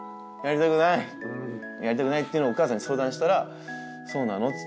やりたくないっていうのをお母さんに相談したらそうなの？